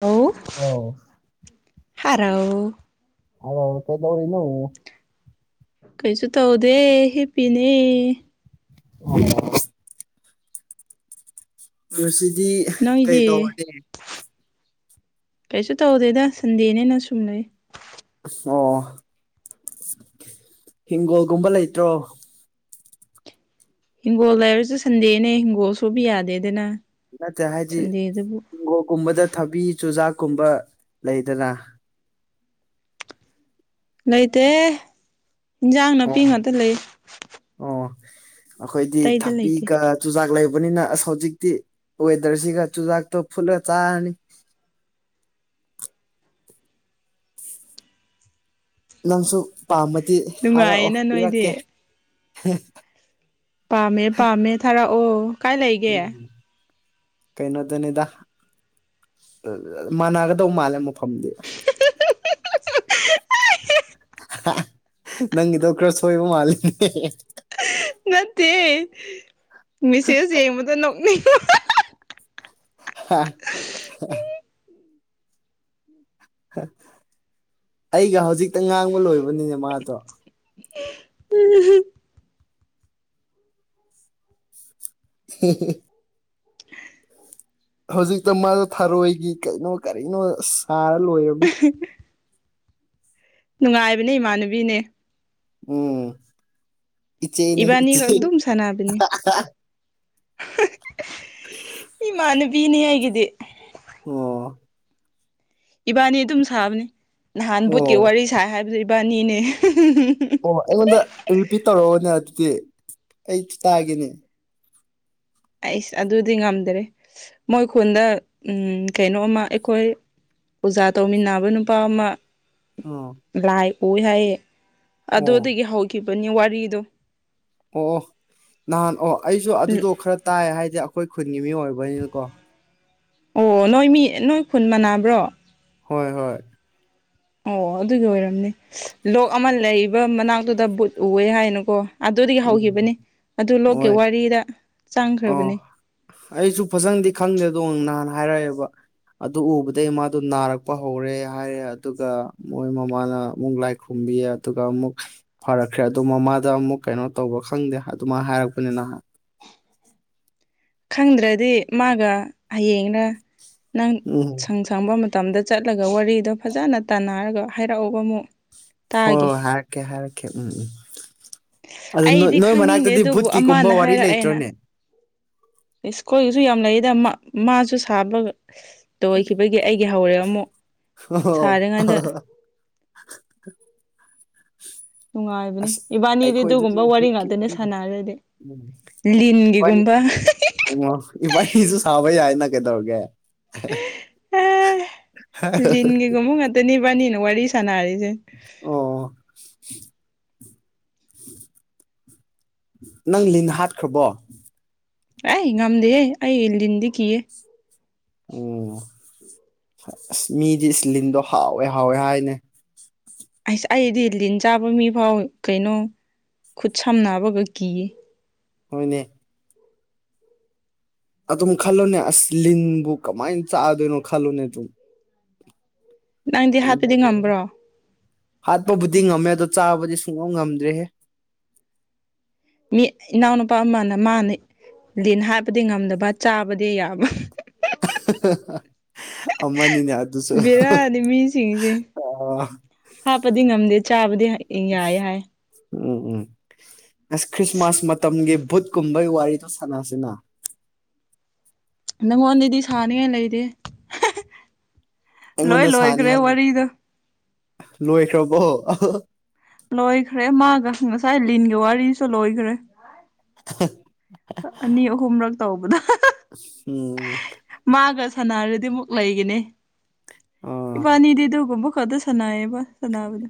Hello ꯑꯥꯎ ꯍꯔꯥꯎ hello ꯀꯩꯗꯧꯔꯤꯅꯣ ꯀꯩꯁꯨ ꯇꯧꯗꯦ ꯍꯤꯞꯄꯤꯅꯦ [unintelligible] ꯉꯁꯤꯗꯤ ꯀꯩ ꯅꯣꯏꯗꯤ ꯇꯧꯔꯒꯦ ꯀꯩꯁꯨ ꯇꯧꯗꯦꯗ ꯁꯟꯗꯦꯅꯤꯅ ꯁꯨꯝ ꯂꯩ ꯑꯁ ꯑꯣ ꯍꯤꯡꯒꯣꯜꯒꯨꯝꯕ ꯂꯩꯇ꯭ꯔꯣ ꯍꯤꯡꯒꯣꯜ ꯂꯥꯏꯔꯁꯨ ꯁꯟꯗꯦꯅꯦ ꯍꯤꯡꯒꯣꯜ ꯁꯨꯕ ꯌꯥꯗꯦꯗꯅ ꯅꯠꯇꯦ ꯍꯥꯏꯗꯤ ꯁꯟꯗꯦꯗꯕꯨ ꯍꯤꯡꯒꯣꯜꯀꯨꯝꯕꯗ ꯊꯕꯤ ꯆꯨꯖꯥꯛꯀꯨꯝꯕ ꯂꯩꯗꯅ ꯂꯩꯇꯦꯍꯦ ꯍꯤꯟꯖꯥꯡ ꯅꯥꯄꯤ ꯑꯣ ꯉꯥꯛꯇ ꯂꯩ ꯑꯣ ꯑꯈꯣꯏꯗꯤ ꯑꯇꯩꯗ ꯂꯩꯇꯦ ꯊꯕꯤꯒ ꯆꯨꯖꯥꯛ ꯂꯩꯕꯅꯤꯅ ꯑꯁ ꯍꯧꯖꯤꯛꯇꯤ ꯋꯦꯗꯔꯁꯤꯒ ꯆꯨꯖꯥꯛꯇꯣ ꯐꯨꯠꯂ ꯆꯥꯔꯅꯤ ꯅꯪꯁꯨ ꯄꯥꯝꯃꯗꯤ ꯍꯥꯏꯔꯛꯑꯣ ꯅꯨꯡꯉꯥꯏꯌꯦꯅ ꯅꯣꯏꯗꯤ ꯄꯤꯔꯛꯀꯦ ꯍꯦ ꯄꯥꯝꯃꯦ ꯄꯥꯝꯃꯦ ꯊꯥꯔꯛꯑꯣ ꯀꯥꯏ ꯂꯩꯒꯦ ꯎꯝ ꯀꯩꯅꯣꯗꯅꯤꯗ [unintelligible] ꯃꯥꯟꯅꯒꯗꯧ ꯃꯥꯜꯂꯦ ꯃꯐꯝꯗꯤ ꯑꯍꯥ ꯅꯪꯒꯤꯗꯣ ꯈꯔ ꯁꯣꯏꯕ ꯃꯥꯜꯂꯤꯅꯦ ꯍꯦ ꯍꯦ ꯅꯠꯇꯦ ꯃꯤꯁꯦꯁ ꯌꯦꯡꯕꯗ ꯅꯣꯛꯅꯤꯡ ꯍꯥ ꯍꯥ ꯍꯥ ꯍꯥ [unintelligible] ꯑꯩꯒ ꯍꯧꯖꯤꯛꯇ ꯉꯥꯡꯕ ꯂꯣꯏꯕꯅꯤꯅꯦ ꯃꯥꯗꯣ [unintelligible] ꯍꯦ ꯍꯦ ꯍꯧꯖꯤꯛꯇ ꯃꯥꯗꯣ ꯊꯔꯣꯏꯒꯤ ꯀꯩꯅꯣ ꯀꯔꯤꯅꯣ ꯑꯁ ꯁꯥꯔ ꯂꯣꯏꯔꯝꯅꯤ [unintelligible] ꯅꯨꯡꯉꯥꯏꯕꯅꯦ ꯏꯃꯥꯟꯅꯕꯤꯅꯦ ꯎꯝ ꯏꯆꯦꯅꯤ ꯏꯕꯥꯅꯤ ꯈꯛ ꯏꯆꯦ ꯑꯗꯨꯝ ꯍꯥ ꯍꯥ ꯍꯥ ꯏꯃꯥꯟꯅꯕꯤꯅꯦ ꯑꯩꯒꯤꯗꯤ ꯑꯣ ꯏꯕꯥꯅꯤ ꯑꯗꯨꯝ ꯁꯥꯕꯅꯦ ꯅꯍꯥꯟ ꯕꯨꯠꯀꯤ ꯑꯣ ꯋꯥꯔꯤ ꯁꯥꯥꯏ ꯍꯥꯏꯕꯗꯣ ꯏꯕꯥꯟꯅꯤꯅꯦ ꯍꯤ ꯍꯤ ꯑꯣ ꯑꯩꯉꯣꯟꯗ ꯔꯤꯄꯤꯠ ꯇꯧꯔꯑꯣꯅꯦ ꯑꯗꯨꯗꯤ ꯑꯩꯁꯨ ꯇꯥꯒꯦꯅꯦ ꯑꯩꯁ ꯑꯗꯨꯗꯤ ꯉꯝꯗ꯭ꯔꯦ ꯃꯣꯏ ꯈꯨꯟꯗ ꯎꯝ ꯀꯩꯅꯣꯝꯃ ꯑꯩꯈꯣꯏ ꯑꯣꯖꯥ ꯇꯧꯃꯤꯟꯅꯕ ꯅꯨꯄꯥ ꯑꯃ ꯑꯥ ꯂꯥꯏ ꯎꯏ ꯍꯥꯏꯌꯦ ꯑꯣ ꯑꯗꯨꯗꯒꯤ ꯍꯧꯈꯤꯕꯅꯤ ꯋꯥꯔꯤꯗꯣ ꯑꯣ ꯑꯣ ꯅꯍꯥꯟ ꯑꯣ ꯑꯩꯁꯨ ꯑꯗꯨꯗꯣ ꯈꯔ ꯇꯥꯏ ꯍꯥꯏꯗꯤ ꯑꯩꯈꯣꯏ ꯈꯨꯟꯒꯤ ꯃꯤ ꯑꯣꯏꯕꯩꯅꯤꯅꯀꯣ ꯑꯣ ꯅꯣꯏ ꯃꯤ ꯅꯣꯏ ꯈꯨꯟ ꯃꯟꯅꯕ꯭ꯔꯣ ꯍꯣꯏ ꯍꯣꯏ ꯑꯣ ꯑꯗꯨꯗꯣ ꯑꯣꯏꯔꯝꯅꯤ ꯂꯣꯛ ꯑꯃ ꯂꯩꯕ ꯃꯅꯥꯛꯇꯨꯗ ꯕꯨꯠ ꯎꯋꯦ ꯍꯥꯏꯅꯀꯣ ꯑꯗꯨꯗꯒꯤ ꯎꯝ ꯍꯧꯈꯤꯕꯅꯤ ꯑꯗꯨ ꯂꯣꯛꯀꯦ ꯍꯣꯏ ꯋꯥꯔꯤꯗ ꯑꯣ ꯆꯪꯈ꯭ꯔꯕꯅꯤ ꯑꯩꯁꯨ ꯐꯖꯅꯗꯤ ꯈꯪꯗꯦꯗꯣ ꯅꯍꯥꯟ ꯍꯥꯏꯔꯛꯑꯦꯕ ꯑꯗꯨ ꯎꯕꯗꯒꯤ ꯃꯥꯗꯣ ꯅꯥꯔꯛꯄ ꯍꯧꯔꯦ ꯍꯥꯏꯔꯦ ꯑꯗꯨꯒ ꯃꯣꯏ ꯃꯃꯥꯅ ꯑꯃꯨꯛ ꯂꯥꯏ ꯈꯨꯔꯨꯝꯕꯤꯌꯦ ꯑꯗꯨꯒ ꯑꯃꯨꯛ ꯐꯔꯛꯈ꯭ꯔꯦ ꯑꯗꯣ ꯃꯃꯥꯗ ꯑꯃꯨꯛ ꯀꯩꯅꯣ ꯇꯧꯕ ꯈꯪꯗꯦ ꯑꯗꯨꯃꯥꯏꯅ ꯍꯥꯏꯔꯛꯄꯅꯦ ꯅꯍꯥꯟ ꯈꯪꯗ꯭ꯔꯗꯤ ꯃꯥꯒ ꯍꯌꯦꯡꯂ ꯅꯪ ꯎꯝ ꯁꯪ ꯁꯪꯕ ꯃ ꯇꯝꯗ ꯆꯠꯂꯒ ꯋꯥꯔꯤꯗꯣ ꯐꯖꯅ ꯇꯥꯟꯅꯔꯒ ꯍꯥꯏꯔꯛꯎꯀꯣ ꯑꯃꯨꯛ ꯍꯣꯏ ꯇꯥꯒꯦ ꯍꯣꯏ ꯍꯥꯏꯔꯀꯦ ꯍꯥꯏꯔꯀꯦ ꯎꯝ ꯎꯝ ꯑꯗꯨ ꯑꯩꯗꯤ ꯅꯣꯏ ꯈꯪꯅꯤꯡꯗꯦ ꯃꯅꯥꯛꯇꯗꯤ ꯑꯗꯨꯕꯨ ꯕꯨꯠꯀꯤꯒꯨꯝꯕ ꯑꯃꯅ ꯋꯥꯔꯤ ꯂꯩꯇ꯭ꯔꯣꯅꯦ ꯁ꯭ꯀꯨꯜꯒꯤꯁꯨ ꯌꯥꯝ ꯂꯩꯌꯦꯗ ꯃꯥ ꯃꯥꯁꯨ ꯁꯥꯕꯒ ꯇꯧꯈꯤꯕꯒꯤ ꯑꯩꯒꯤ ꯍꯧꯔꯦ ꯑꯃꯨꯛ ꯑꯣ ꯁꯥꯔꯤꯉꯩꯗ ꯅꯨꯡꯉꯥꯏꯕꯅꯤ ꯑꯁ ꯏꯕꯥꯅꯤꯗꯤ ꯑꯗꯨꯒꯨꯝꯕ ꯑꯩꯈꯣꯏꯗꯁꯨ ꯋꯥꯔꯤ ꯚꯨꯠꯀꯤ ꯉꯥꯛꯇꯅꯦ ꯁꯥꯟꯅꯔꯗꯤ [unintelligible] ꯏꯕꯥꯅꯤ ꯂꯤꯟꯒꯤꯒꯨꯝꯕ ꯑꯣ ꯏꯕꯥꯅꯤꯁꯨ ꯁꯥꯕ ꯌꯥꯏꯅ ꯀꯩꯗꯧꯔꯒꯦ ꯍꯦ ꯍꯦ ꯂꯤꯟꯒꯤꯒꯨꯝꯕ ꯉꯥꯛꯇꯅꯤ ꯏꯕꯥꯅꯤꯅ ꯋꯥꯔꯤ ꯁꯥꯟꯅꯔꯤꯖꯦ ꯑꯣ ꯅꯪ ꯂꯤꯟ ꯍꯥꯠꯈ꯭ꯔꯕꯣ ꯑꯦ ꯉꯝꯗꯦꯍꯦ ꯑꯩ ꯂꯤꯟꯗꯤ ꯀꯤꯌꯦ ꯑꯣ ꯑꯁ ꯃꯤꯗꯤ ꯏꯁꯂꯤꯟꯗꯣ ꯍꯥꯎꯋꯦ ꯍꯥꯎꯋꯦ ꯍꯥꯏꯅꯦ ꯑꯁ ꯑꯩꯗꯤ ꯂꯤꯟ ꯆꯥꯕ ꯃꯤꯐꯥꯎ ꯀꯩꯅꯣ ꯈꯨꯠ ꯁꯝꯅꯕꯒ ꯀꯤꯌꯦ ꯍꯣꯏꯅꯦ ꯑꯗꯨꯝ ꯈꯜꯂꯣꯅꯦ ꯑꯁ ꯂꯤꯟꯕꯨ ꯀꯃꯥꯏꯅ ꯆꯥꯗꯣꯏꯅꯣ ꯈꯜꯂꯣꯅꯦ ꯑꯗꯨꯝ ꯅꯪꯗꯤ ꯍꯥꯠꯄꯗꯤ ꯍꯩꯅꯗꯦ ꯉꯝꯕ꯭ꯔꯣ ꯍꯥꯠꯄꯕꯨꯗꯤ ꯉꯝꯃꯦ ꯑꯗꯣ ꯆꯥꯕꯗꯤ ꯁꯨꯡꯉꯝ ꯉꯝꯗ꯭ꯔꯦꯍꯦ ꯃꯤ ꯏꯅꯥꯎꯅꯨꯄꯥ ꯑꯃꯅ ꯃꯥꯅ ꯂꯤꯟ ꯍꯥꯠꯄꯗꯤ ꯉꯝꯗꯕ ꯆꯥꯕꯗꯤ ꯌꯥꯕ [unintelligible] ꯑꯝꯃꯅꯤꯅꯦ ꯑꯗꯨꯨꯁꯨ ꯕꯦꯔꯥꯅꯤ [unintelligible] ꯃꯤꯁꯤꯡꯁꯦ ꯑꯥ ꯍꯥꯞꯄꯗꯤ ꯉꯝꯗꯦ ꯆꯥꯕꯗꯤ ꯍꯩ ꯌꯥꯏ ꯍꯥꯏ ꯎꯝ ꯎꯝ ꯑꯁ ꯈ꯭ꯔꯤꯁꯃꯥꯁ ꯃꯇꯝꯒꯤ ꯕꯨꯠꯀꯨꯝꯕꯒꯤ ꯋꯥꯔꯤꯗꯣ ꯁꯥꯟꯅꯁꯦꯅ ꯅꯪꯉꯣꯟꯗꯗꯤ ꯁꯥꯅꯤꯡꯉꯥꯏ ꯂꯩꯇꯦ ꯂꯣꯏ ꯑꯩꯉꯣꯟꯗ ꯂꯣꯏꯈ꯭ꯔꯦ ꯁꯥꯅꯤꯡꯉꯥꯏ ꯂꯩ ꯋꯥꯔꯤꯗꯣ ꯂꯣꯏꯈ꯭ꯔꯕꯣ ꯂꯣꯏꯈ꯭ꯔꯦ ꯃꯥꯒ ꯉꯁꯥꯏ ꯂꯤꯟꯒꯤ ꯋꯥꯔꯤꯁꯨ ꯂꯣꯏꯈ꯭ꯔꯦ ꯑꯅꯤ ꯑꯍꯨꯝꯔꯛ ꯇꯧꯕꯗ [unintelligible] ꯑꯁ ꯎꯝ ꯃꯥꯒ ꯁꯥꯟꯅꯔꯗꯤ ꯑꯃꯨꯛ ꯂꯩꯒꯅꯤ ꯑꯥ ꯏꯕꯥꯟꯅꯤꯗꯤ ꯑꯗꯨꯒꯨꯝꯕ ꯈꯛꯇ ꯁꯥꯟꯅꯩꯌꯦꯕ ꯁꯅꯥꯕꯗꯨ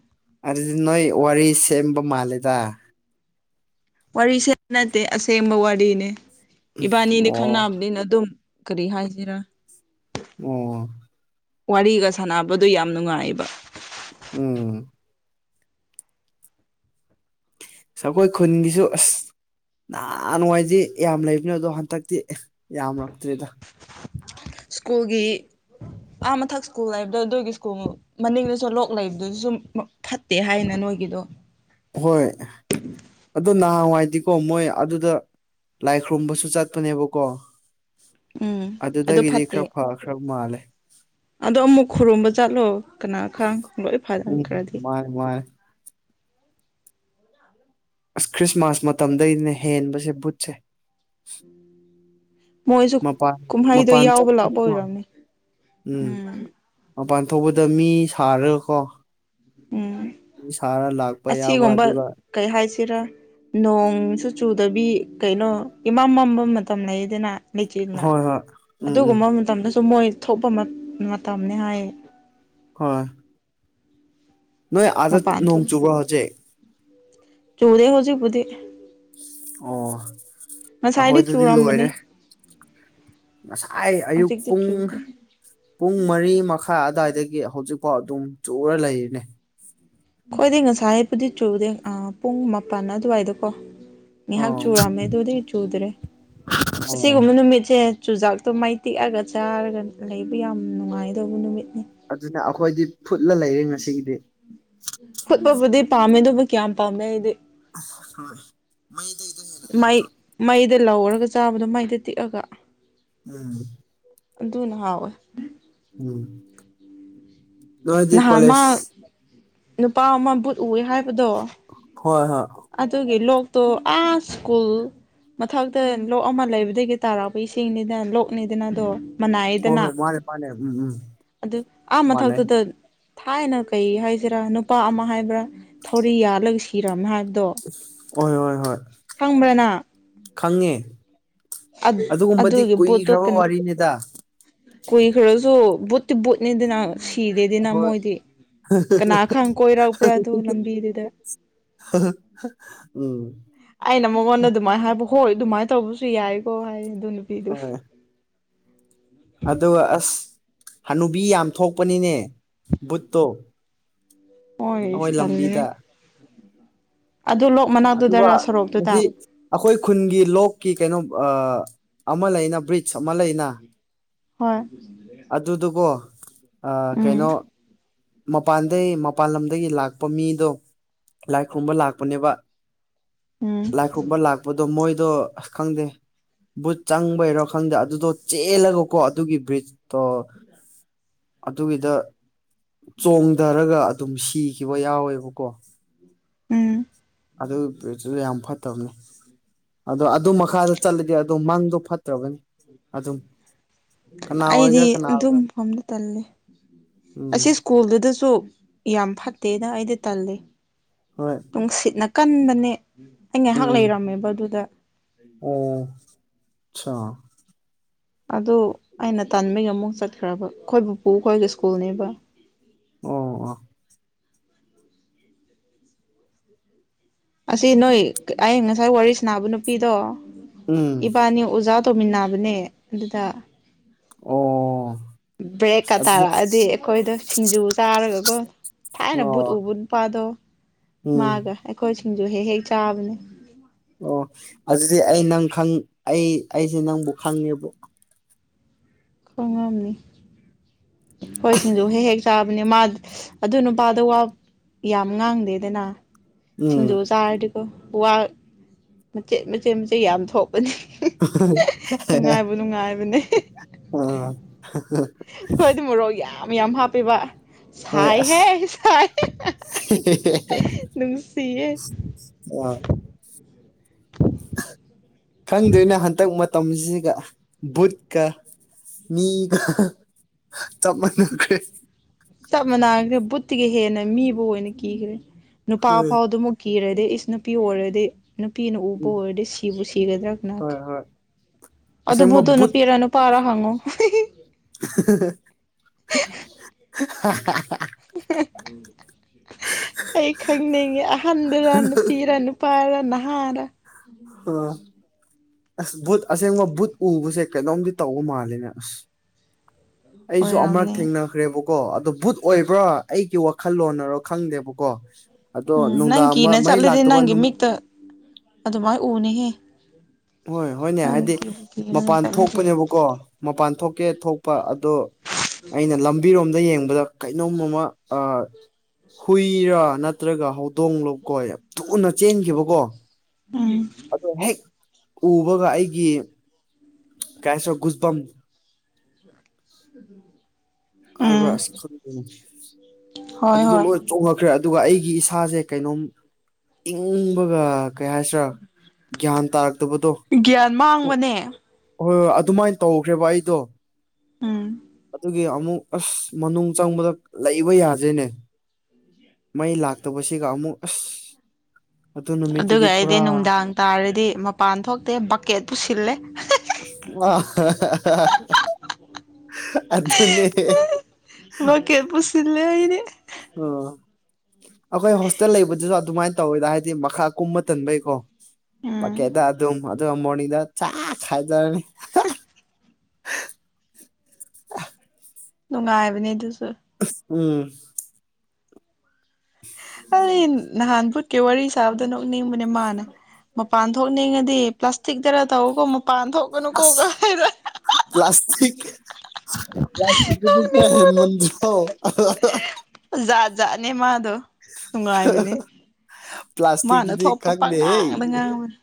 ꯑꯗꯨꯗꯤ ꯅꯣꯏ ꯋꯥꯔꯤ ꯁꯦꯝꯕ ꯃꯥꯜꯂꯦꯗ ꯋꯥꯔꯤ ꯁꯦꯝꯕ ꯅꯠꯇꯦ ꯑꯁꯦꯡꯕ ꯋꯥꯔꯤꯅꯦ ꯏꯕꯥꯟꯅꯤꯗꯤ ꯑꯣ ꯈꯪꯅꯝꯅꯤꯅ ꯑꯗꯨꯝ ꯀꯔꯤ ꯍꯥꯏꯁꯤꯔ ꯑꯣ ꯋꯥꯔꯤꯒ ꯁꯥꯟꯅꯕꯗꯨ ꯌꯥꯝ ꯅꯨꯡꯉꯥꯏꯕ ꯑꫭ ꯑꯈꯣꯏ ꯈꯨꯟꯒꯤꯁꯨ ꯑꯁ ꯅꯍꯥꯟꯋꯥꯏꯗꯤ ꯌꯥꯝ ꯂꯩꯕꯅꯦ ꯑꯗꯣ ꯍꯟꯗꯛꯇꯤ ꯌꯥꯝꯔꯛꯇ꯭ꯔꯦꯗ ꯁ꯭ꯀꯨꯜꯒꯤ ꯑꯥ ꯃꯊꯛ ꯁ꯭ꯀꯨꯜ ꯂꯩꯕꯗꯣ ꯑꯗꯨꯒꯤ ꯁ꯭ꯀꯨꯜ ꯃꯅꯤꯡꯗꯁꯨ ꯂꯣꯛ ꯂꯩꯕꯗꯨꯖꯨꯝ ‌ꯐꯠꯇꯦ ꯍꯥꯏꯅ ꯅꯣꯏꯒꯤꯗꯣ ꯍꯣꯏ ꯑꯗꯣ ꯅꯍꯥꯟꯋꯥꯏꯗꯤ ꯀꯣ ꯃꯣꯏ ꯑꯗꯨꯗ ꯂꯥꯏ ꯈꯨꯔꯨꯝꯕꯁꯨ ꯆꯠꯄꯅꯦꯕꯀꯣ ꯎꯝ ꯑꯗꯨ ꯑꯗꯨꯗꯒꯤꯗꯤ ꯐꯠꯇꯦ ꯈꯔ ꯐꯈ꯭ꯔꯕ ꯃꯥꯜꯂꯦ ꯑꯗꯣ ꯑꯃꯨꯛ ꯈꯨꯔꯨꯝꯕ ꯆꯠꯂꯣ ꯀꯅꯥ ꯈꯪ ꯂꯣꯏ ꯐꯈ꯭ꯔꯗꯤ ꯋꯥꯏ ꯑꯁ ꯈ꯭ꯔꯤꯁꯃꯥꯁ ꯃꯇꯝꯗꯩꯅꯦ ꯍꯦꯟꯕꯁꯦ ꯕꯨꯠꯁꯦ ꯃꯣꯏꯁꯨ ꯃꯄꯥꯟ ꯀꯨꯝꯍꯩꯗꯣ ꯃꯄꯥꯟ ꯌꯥꯎꯕ ꯂꯥꯛꯄ ꯆꯠꯄꯗꯀꯣ ꯑꯣꯏꯔꯝꯅꯤ ꯎꯝ ꯃꯄꯥꯟ ꯊꯣꯛꯄꯗ ꯃꯤ ꯁꯥꯔꯒꯀꯣ ꯎꯝ ꯃꯤ ꯁꯥꯔ ꯂꯥꯛꯄ ꯌꯥꯎꯕ ꯑꯁꯤꯒꯨꯝꯕ ꯑꯗꯨꯒ ꯀꯩ ꯍꯥꯏꯁꯤꯔ ꯅꯣꯡꯁꯨ ꯆꯨꯗꯕꯤ ꯀꯩꯅꯣ ꯏꯃꯝ ꯃꯝꯕ ꯃꯇꯝ ꯂꯩꯗꯅ ꯂꯩꯆꯤꯟꯅ ꯍꯣꯏ ꯍꯣꯏ ꯎꯝ ꯎꯝ ꯑꯗꯨꯒꯨꯝꯕ ꯃꯇꯝꯗꯁꯨ ꯃꯣꯏ ꯊꯣꯛꯄ [unintelligible] ꯃꯇꯝꯅꯦ ꯍꯥꯏꯌꯦ ꯍꯣꯏ ꯅꯣꯏ ꯑꯥꯗ ꯃꯄꯥꯟ ꯅꯣꯡ ꯊꯣꯛ ꯆꯨꯕ꯭ꯔꯣ ꯍꯧꯖꯤꯛ ꯆꯨꯗꯦ ꯍꯧꯖꯤꯛꯄꯨꯗꯤ ꯑꯣ ꯉꯁꯥꯏꯗꯤ ꯑꯈꯣꯏꯗꯗꯤ ꯆꯨꯔꯝꯕꯅꯦ ꯂꯣꯏꯔꯦ ꯉꯁꯥꯏ ꯑꯌꯨꯛ ꯍꯧꯖꯤꯛꯇꯤ ꯄꯨꯡ ꯆꯨꯗꯦ ꯄꯨꯡ ꯃꯔꯤ ꯃꯈꯥꯏ ꯑꯗ꯭ꯋꯥꯏꯗꯒꯤ ꯍꯧꯖꯤꯛꯐꯥꯎ ꯑꯗꯨꯝ ꯆꯨꯔ ꯂꯩꯔꯤꯅꯦ ꯈꫭꯏꯗꯤ ꯉꯁꯥꯏꯄꯨꯗꯤ ꯆꯨꯗꯦ ꯑꯥ ꯄꯨꯡ ꯃꯥꯄꯟ ꯑꯗ꯭ꯋꯥꯏꯗ ꯀꯣ ꯉꯤꯍꯥꯛ ꯑꯣ ꯆꯨꯔꯝꯃꯦ ꯑꯗꯨꯗꯩ ꯆꯨꯗ꯭ꯔꯦ ꯑꯣ ꯑꯁꯤꯒꯨꯝꯕ ꯅꯨꯃꯤꯠꯁꯦ ꯆꯨꯖꯥꯛꯇꯣ ꯃꯩ ꯇꯤꯛꯑꯒ ꯆꯥꯔꯒ ꯂꯩꯕ ꯌꯥꯝ ꯅꯨꯡꯉꯥꯏꯗꯧꯕ ꯅꯨꯃꯤꯠꯅꯤ ꯑꯗꯨꯅ ꯑꯈꯣꯏꯗꯤ ꯐꯨꯠꯂ ꯂꯩꯔꯦ ꯉꯁꯤꯒꯤꯗꯤ ꯐꯨꯠꯄꯕꯨꯗꯤ ꯄꯥꯝꯃꯦ ꯑꯗꯨꯕꯨ ꯀꯌꯥꯝ ꯄꯥꯝꯃꯦ ꯑꯩꯗꯤ ꯍꫭꯏ ꯃꯩꯗꯩ ꯑꯗꯨ ꯍꯦꯟꯅ ꯃꯩ ꯍꯥꯎꯇ‌꯭ꯔꫭ ꯃꯩꯗ ꯂꯧꯔꯒ ꯆꯥꯕꯗꯣ ꯃꯩꯗ ꯇꯤꯛꯑꯒ ꯎꯝ ꯑꯗꯨꯅ ꯍꯥꯎꯋꯦ ꯎꯝ ꯅꯣꯏꯗꯤ ꯅꯍꯥꯟ ꯃꯥ ꯀꯣꯂꯦꯖ ꯅꯨꯄꯥ ꯑꯃ ꯕꯨꯠ ꯎꯋꯦ ꯍꯥꯏꯕꯗꯣ ꯍꯣꯏ ꯍ ꯑꯗꯨꯒꯤ ꯂꯣꯛꯇꯣ ꯑꯥ ꯁ꯭ꯀꯨꯜ ꯃꯊꯛꯇ ꯂꯣꯛ ꯑꯃ ꯂꯩꯕꯗꯒꯤ ꯇꯥꯔꯛꯄ ꯏꯁꯤꯡꯅꯤꯗꯅ ꯂꯣꯛꯅꯤꯗꯅ ꯑꯗꯣ ꯍꯣꯏ ꯃꯅꯥꯏꯗꯅ ꯍꯣꯏ ꯃꯥꯅꯦ ꯃꯥꯅꯦ ꯎꯝ ꯎꯝ ꯑꯗꯨ ꯑꯥ ꯃꯥꯟꯅꯩ ꯃꯊꯛꯇꯨꯗ ꯊꯥꯏꯅ ꯀꯩ ꯍꯥꯏꯁꯤꯔꯥ ꯅꯨꯄꯥ ꯑꯃ ꯍꯥꯏꯕ꯭ꯔꯥ ꯊꯧꯔꯤ ꯌꯥꯜꯂꯒ ꯁꯤꯔꯝꯃꯦ ꯍꯥꯏꯕꯗꯣ꯫ ꯑꯁ ꯍꯣꯏ ꯍꯣꯏ ꯍꯣꯏ ꯈꯪꯕ꯭ꯔꯥ ꯅꯪ ꯈꯪꯉꯦ ꯑꯗꯨꯒꯨꯝꯕꯗꯤ ꯑꯗꯨꯒꯤ ꯀꯨꯏꯈ꯭ꯔꯕ ꯋꯥꯔꯤꯅꯤꯗ꯫ ꯀꯨꯏ ꯈꯔꯁꯨ ꯕꯨꯠꯇꯤ ꯕꯨꯠꯅꯦꯗꯅꯥ꯫ ꯁꯤꯗꯦꯗꯤꯅ ꯍꯣꯏ ꯃꯣꯏꯗꯤ ꯀꯅꯥ ꯈꯪ ꯀꯣꯏꯔꯛꯄ꯭ꯔꯥ ꯑꯗꯨ ꯂꯝꯕꯤꯗꯨꯗ꯫ ꯎꯝ ꯑꯩꯅ ꯃꯉꯣꯟꯗ ꯑꯗꯨꯃꯥꯏꯅ ꯍꯥꯏꯕ ꯍꯣꯏ ꯑꯗꯨꯃꯥꯏꯅ ꯇꯧꯕꯁꯨ ꯌꯥꯏꯀꯣ ꯍꯥꯏ ꯑꯗꯨ ꯅꯨꯄꯤꯗꯨ ꯍꯣꯏ ꯑꯗꯨꯒ ꯑꯁ ꯍꯅꯨꯕꯤ ꯌꯥꯝ ꯊꯣꯛꯄꯅꯤꯅꯦ ꯕꯨꯠꯇꯣ꯫ ꯍꯣꯏ ꯑꯩꯈꯣꯏ ꯏꯁ ꯇꯜꯂꯦꯍꯦ ꯂꯝꯕꯤꯗ ꯑꯗꯨ ꯂꯣꯛ ꯑꯗꯨꯒ ꯃꯅꯥꯛꯇꯨꯗꯔꯥ ꯁꯣꯔꯣꯛꯇꯨꯗ ꯉꯁꯤ ꯑꯩꯈꯣꯏ ꯈꯨꯟꯒꯤ ꯂꯣꯛꯀꯤ ꯀꯩꯅꯣ ꯑ ꯑꯃ ꯂꯩꯅ ꯕ꯭ꯔꯤꯖ ꯑꯃ ꯂꯩꯅ ꯍꯣꯏ ꯑꯗꯨꯗꯨꯀꯣ ꯑꯥ ꯎꯝ ꯀꯩꯅꯣ ꯃꯄꯥꯟꯗꯩ ꯃꯄꯥꯟꯗꯒꯤ ꯃꯄꯥꯟ ꯂꯝꯗꯒꯤ ꯂꯥꯛꯄ ꯃꯤꯗꯣ ꯂꯥꯏ ꯈꯨꯔꯨꯝꯕ ꯂꯥꯛꯄꯅꯦꯕ꯫ ꯎꯝ ꯂꯥꯏ ꯈꯨꯔꯨꯝꯕ ꯂꯥꯛꯄꯗꯣ ꯃꯣꯏꯗꯣ ꯑꯁ ꯈꯪꯗꯦ ꯕꯨꯠ ꯆꯪꯕꯩꯔꯣ ꯈꯪꯗꯦ ꯑꯗꯨꯗꯣ ꯆꯦꯜꯂꯒꯀꯣ ꯑꯗꯨꯒꯤ ꯕ꯭ꯔꯤꯖꯇꯣ ꯑꯗꯨꯒꯤꯗ ꯆꯣꯡꯊꯔꯒ ꯑꯗꯨꯝ ꯁꯤꯈꯤꯕ ꯌꯥꯎꯋꯦꯕꯀꯣ꯫ ꯎꯝ ꯑꯗꯨ ꯕꯨꯠꯁꯨ ꯌꯥꯝ ꯐꯠꯇꯕꯅꯦ꯫ ꯑꯗꯣ ꯑꯗꯨ ꯃꯈꯥꯗ ꯆꯠꯂꯗꯤ ꯑꯗꯣ ꯃꯪꯗꯣ ꯐꯠꯇ꯭ꯔꯒꯅꯤ ꯑꯗꯨꯝ ꯀꯅꯥ ꯑꯩꯗꯤ ꯑꯣꯏꯒꯦꯔꯥ ꯀꯅꯥ ꯑꯗꯨ ꯑꯣꯏꯒꯦꯔꯥ ꯃꯐꯝꯗꯣ ꯇꯜꯂꯦ ꯎꯝ ꯑꯁꯤ ꯁ꯭ꯀꯨꯜꯗꯨꯗꯁꯨ ꯌꯥꯝ ꯐꯠꯇꯦꯗ ꯑꯩꯗꯤ ꯇꯜꯂꯦ꯫ ꯍꯣꯏ ꯅꯨꯡꯁꯤꯠꯅ ꯀꯟꯕꯅꯦ ꯑꯩ ꯉꯥꯏꯍꯥꯛ ꯎꯝ ꯂꯩꯔꯝꯃꯦꯕ ꯑꯗꯨꯗ ꯑꯣ ꯆꯥ ꯑꯗꯨ ꯑꯩꯅ ꯇꯟꯥꯟꯕꯒꯤ ꯑꯃꯨꯛ ꯆꯠꯈ꯭ꯔꯕ ꯑꯩꯈꯣꯏ ꯄꯨꯄꯨꯈꯣꯏꯒꯤ ꯁ꯭ꯀꯨꯜꯅꯦꯕ꯫ ꯑꯣ ꯑꯣ ꯎꯝ [inaudible] ꯑꯁꯤ ꯅꯣꯏ ꯑꯩ ꯉꯁꯥꯏ ꯋꯥꯔꯤ ꯁꯥꯅꯕ ꯅꯨꯄꯤꯗꯣ ꯎꯝ ꯏꯕꯥꯟꯅꯤ ꯑꯣꯖꯥ ꯇꯨꯃꯤꯟꯅꯕꯅꯦ ꯑꯗꯨꯗ ꯑꯣ ꯕ꯭ꯔꯦꯛꯀ ꯑꯗꯨꯗꯤ ꯇꯥꯔꯛꯑꯗꯤ ꯑꯩꯈꯣꯏꯗꯣ ꯁꯤꯡꯖꯨ ꯆꯥꯔꯒꯀꯣ ꯊꯥꯏꯅ ꯕꯨꯠ ꯑꯣ ꯎꯕ ꯅꯨꯄꯥꯥꯗꯣ ꯎꯝ ꯃꯥꯒ ꯑꯩꯈꯣꯏ ꯁꯤꯡꯖꯨ ꯍꯦꯛ ꯍꯦꯛ ꯆꯥꯕꯅꯦ꯫ ꯑꯣ ꯑꯗꯨꯗꯤ ꯑꯩ ꯅꯪ ꯈꯪ ꯑꯩ ꯑꯩꯁꯦ ꯅꯪꯕꯨ ꯈꯪꯉꯦꯕꯣ꯫ ꯈꯪꯉꯝꯅꯤ ꯍꯣꯏ ꯁꯤꯡꯖꯨ ꯍꯦꯛ ꯍꯦꯛ ꯆꯥꯕꯅꯦ ꯃꯥ ꯑꯗꯨ ꯅꯨꯄꯥꯗꯣ ꯌꯥꯝ ꯉꯥꯡꯗꯦꯗꯅ꯫ ꯎꯝ ꯁꯤꯡꯖꯨ ꯆꯥꯔꯗꯤꯀꯣ ꯋꯥ ꯃꯆꯦꯠ ꯃꯆꯦꯠ ꯃꯆꯦꯠ ꯌꯥꯝ ꯊꯣꯛ ꯄꯅꯤ ꯅꯨꯡꯉꯥꯏꯕꯨ ꯅꯨꯡꯉꯥꯏꯕꯅꯦ ꯑ ꯑꯩꯈꯣꯏꯗꯤ ꯃꯣꯔꯣꯛ ꯌꯥꯝ ꯌꯥꯝ ꯍꯥꯞꯄꯦꯕ ꯍꯣꯏ ꯁꯥꯏ ꯍꯦ ꯑꯁ ꯁꯥꯏꯍꯦ ꯅꯨꯡꯁꯤꯍꯦ꯫ ꯑꯥ ꯈꯪꯗ꯭ꯔ‌ꯦꯅ‌ꯦ ꯍꯟꯇꯛ ꯃꯇꯝꯁꯤꯒ ꯕꯨꯠꯀ ꯃꯤꯒ ꯆꯞ ꯃꯥꯟꯅꯈ꯭ꯔꯦ ꯆꯞ ꯃꯥꯟꯅꯥꯈ꯭ꯔꯦ ꯕꯨꯠꯇꯒꯤ ꯍꯦꯟꯅ ꯃꯤꯕꯨ ꯑꯣꯏꯅ ꯀꯤꯈ꯭ꯔꯦ ꯅꯨꯄꯥ ꯍꯣꯏ ꯐꯥꯎꯗꯨꯃꯨꯛ ꯀꯤꯔꯗꯤ ꯏꯁ ꯅꯨꯄꯤ ꯑꯣꯏꯔꯗꯤ ꯅꯨꯄꯤꯅ ꯎꯕ ꯎꯝ ꯑꯣꯏꯔꯗꯤ ꯁꯤꯕꯨ ꯁꯤꯒꯗ꯭ꯔꯥꯅ ꯀꯅꯥ ꯍꯣꯏ ꯈꯪ ꯍꯣꯏ ꯑꯗꯨ ꯑꯁꯦꯡꯕ ꯕꯨꯠꯗꯣ ꯚꯨꯠ ꯅꯨꯄꯤꯔ ꯅꯨꯞ ꯄꯔꯥ ꯍꯪꯉꯣ [unintelligible] [unintelligible] ꯑꯩ ꯈꯪꯅꯤꯡꯉꯦ ꯑꯍꯟꯕꯗ ꯅꯨꯄꯤꯔ ꯅꯨꯞ ꯄꯔ ꯅꯥꯍꯔ ꯑꯣ ꯑꯁ ꯕꯨꯠ ꯑꯁꯦꯡꯕ ꯕꯨꯠ ꯎꯕꯁꯦ ꯀꯩꯅꯣꯝꯗꯤ ꯇꯧꯕ ꯃꯥꯜꯂꯤꯅꯦ ꯑꯁ ꯑꯩꯁꯨ ꯑꯃꯨꯔꯛ ꯑꯣꯏꯔꯝꯅꯤ ꯊꯦꯡꯅ ꯈ꯭ꯔꯦꯕꯀꯣ ꯑꯗꯣ ꯕꯨꯠ ꯑꯣꯏꯕ꯭ꯔꯥ ꯑꯩꯒꯤ ꯋꯥꯈꯜꯂꯣꯟꯅꯔꯣ ꯈꯪꯗꯦꯕꯀꯣ ꯑꯗꯣ ꯎꯝ ꯅꯪ ꯅꯨꯡꯗꯥꯡ ꯑꯃ ꯀꯤꯅ ꯃꯩ ꯆꯠꯂꯗꯤ ꯂꯥꯛꯇꯕ ꯅꯪꯒꯤ ꯅꯨꯃꯤꯠ ꯃꯤꯛꯇ ꯑꯗꯨꯃꯥꯏꯅ ꯎꯅꯤꯍꯦ ꯍꯣꯏ ꯍꯣꯏꯅꯦ ꯅꯪꯅ ꯍꯥꯏꯗꯤ ꯀꯤꯕꯨ ꯀꯤꯔꯒ ꯃꯄꯥꯟ ꯆꯠꯂꯗꯤ ꯊꯣꯛꯄꯅꯦꯕꯀꯣ ꯃꯄꯥꯟ ꯊꯣꯛꯀꯦ ꯊꯣꯛꯄ ꯑꯗꯣ ꯑꯩꯅ ꯂꯝꯕꯤꯔꯣꯝꯗ ꯌꯦꯡꯕꯗ ꯀꯩꯅꯣꯝ ꯑꯃ ꯑꯥ ꯍꯨꯏꯔ ꯅꯠ ꯅꯠꯇ꯭ꯔꯒ ꯍꯧꯗꯣꯡ ꯂ‌ꯣꯀꯣ ꯌꯥꯝ ꯊꯨꯅ ꯆꯦꯟꯈꯤꯕꯀꯣ ꯎꯝ ꯑꯗꯣ ꯍꯦꯛ ꯎꯕꯒ ꯑꯩꯒꯤ ꯀꯩ ꯍꯥꯏꯁꯤꯔ ꯒꯨꯁꯕꯝ [inaudible] ꯍꯥꯏꯕ꯭ꯔꯥ ꯎꯝ ꯑꯁ ꯈꯪꯗꯦꯅꯦ ꯍꯣꯏ ꯍꯣꯏ ꯑꯗꯨꯗꯣꯂꯣꯏ ꯆꯣꯡꯉꯛꯈ꯭ꯔꯦ ꯑꯗꯨꯒ ꯑꯩꯒꯤ ꯏꯁꯥꯖꯦ ꯀꯩꯅꯣꯝ ꯏꯪꯕꯒ ꯀꯩ ꯍꯥꯏꯁꯤꯔꯥ ꯒ꯭ꯌꯥꯟ ꯇꯥꯔꯛꯇꯕꯗꯣ ꯒ꯭ꯌꯥꯟ ꯃꯥꯡꯕꯅꯦ ꯍꯣꯏ ꯍꯣꯏ ꯑꯗꯨꯃꯥꯏꯟ ꯇꯧꯈ꯭ꯔꯦꯕ ꯑꯩꯗꯣ ꯎꯝ ꯑꯗꯨꯒꯤ ꯑꯃꯨꯛ ꯑꯁ ꯃꯅꯨꯡ ꯆꯪꯕꯗ ꯂꯩꯕ ꯌꯥꯗ꯭ꯔꯦꯅꯦ ꯃꯩ ꯂꯥꯛꯇꯕꯁꯤꯒ ꯑꯃꯨꯛ ꯑꯁ ꯑꯗꯨ ꯑꯗꯨꯒ ꯅꯨꯃꯤꯠꯇꯨꯗꯤ ꯑꯩꯗꯤ ꯄꯨꯔꯥ ꯅꯨꯡꯗꯥꯡ ꯇꯥꯔꯗꯤ ꯃꯄꯥꯟ ꯊꯣꯛꯇꯦ ꯕꯛꯀꯦꯠ ꯄꯨꯁꯤꯜꯂꯦ ꯑꯍꯥꯍꯥꯍꯥ ꯑꯗꯨꯅꯦ ꯂꯣꯀꯦꯠ ꯄꯨꯁꯤꯂꯦ ꯑꯩꯗꯤ ꯑꯥ ꯑꯈꯣꯏ ꯍꯣꯁꯇꯦꯜ ꯂꯩꯕꯗꯨꯗ ꯑꯗꯨꯃꯥꯏꯅ ꯇꯧꯋꯦꯗ ꯍꯥꯏꯗꯤ ꯃꯈꯥ ꯀꯨꯝꯕ ꯇꯟꯕꯩꯀꯣ ꯎꯝ ꯕꯥꯀꯦꯠꯇ ꯑꯗꯨꯝ ꯑꯗꯨꯒ ꯃꯣꯔꯅꯤꯗ ꯆꯥꯛ ꯈꯥꯏꯖꯔꯅꯤ ꯅꯨꯡꯉꯥꯏꯕꯅꯦ ꯑꯗꯨꯖꯨ ꯑꯁ ꯎꯪ ꯑꯩ ꯅꯍꯥꯟ ꯕꯨꯨꯠꯀꯤ ꯋꯥꯔꯤ ꯁꯥꯕꯗ‌ꯣ ꯅꯣꯛꯅꯤꯡꯕꯅꯦ ꯃꯥꯟ ꯃꯄꯥꯟ ꯊꯣꯛꯅꯤꯡꯉꯥꯗꯤ ꯄ꯭ꯂꯥꯁꯇꯤꯛꯇꯔ ꯇꯧꯀꯣ ꯃꯄꯥꯟ ꯊꯣꯛꯀꯅꯨꯀꯣ ꯑꯁ ꯒ ꯍꯥꯏꯔ ꯄ꯭ꯂꯥꯁꯇꯤꯛ ꯄ꯭ꯂꯥꯁꯇꯤꯛꯇꯨꯗꯤ ꯈꯔ ꯅꯣꯛꯅꯤꯡꯕꯅꯦ ꯍꯦꯟꯃꯟꯗ꯭ꯔꯣ ꯍꯥꯍꯥ ꯖꯥꯠ ꯖꯥꯠꯅꯦ ꯃꯥꯗꯣ ꯅꯨꯡꯉꯥꯏꯕꯅꯦ ꯃꯥꯅ ꯄ꯭ꯂꯥꯁꯇꯤꯛꯇꯨꯗꯤ ꯊꯣꯛꯄ ꯈꯪꯗꯦꯍꯦ ꯄꯪꯉꯥꯡꯗ ꯉꯥꯡꯕꯅꯦ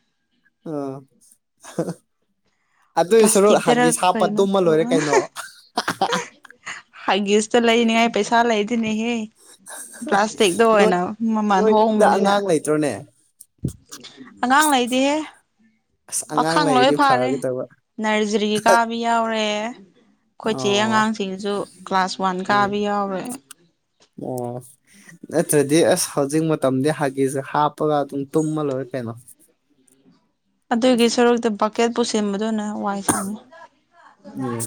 ꯑꯥ ꯑꯍꯥ ꯑꯗꯨꯏ ꯁꯔꯨꯛ ꯄ꯭ꯂꯥꯁꯇꯤꯛꯇꯔ ꯍꯥꯒꯤꯁ ꯍꯥꯞꯄ ꯇꯨꯝꯃ ꯂꯣꯏꯔꯦ ꯀꯩꯅꯣ [unintelligible] ꯍꯥꯒꯤꯁꯇ ꯂꯩꯅꯤꯉꯥꯏ ꯄꯩꯁꯥ ꯂꯩꯗꯅꯦꯍꯦ ꯄ꯭ꯂꯥꯁꯇꯤꯛꯗ ꯑꯣꯏꯅ ꯃꯃꯟ ꯍꯣꯡꯕꯅꯤꯅ ꯇ꯭ꯔꯣꯅꯦ ꯑꯉꯥꯡ ꯂꯩꯗꯤꯍꯦ ꯑꯁ ꯑꯉꯥꯡ ꯄꯥꯈꯪ ꯂꯣꯏ ꯂꯩꯔꯗꯤ ꯐꯥꯔꯦ ꯐꯒꯗꯕ ꯅ꯭ꯔꯖꯔꯤ ꯀꯥ ꯃꯤ ꯌꯥꯎꯔꯦ ꯈꯣꯏ ꯆꯦ ꯑꯣ ꯑꯉꯥꯡꯁꯤꯡꯁꯨ ꯀ꯭ꯂꯥꯁ ꯋꯥꯟ ꯎꯝ ꯀꯥꯕ ꯌꯥꯎꯔꯦ꯫ ꯑꯣ ꯅꯠꯇ꯭ꯔꯗꯤ ꯑꯁ ꯍꯧꯖꯤꯛ ꯃꯇꯝꯗꯤ ꯍꯥꯒꯤꯁ ꯍꯥꯞꯄꯒ ꯑꯗꯨꯝ ꯇꯨꯝꯃ ꯂꯣꯏꯔꯦ ꯀꯩꯅꯣ ꯑꯗꯨꯒꯤ ꯁꯔꯨꯛꯇ ꯕꯛꯀꯦꯠ ꯄꯨꯁꯤꯝꯕꯗꯨꯅ ꯋꯥꯏ ꯁꯪꯉꯦ ꯎꯝ